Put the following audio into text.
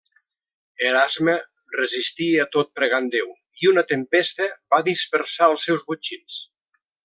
Erasme resistia tot pregant Déu, i una tempesta va dispersar els seus botxins.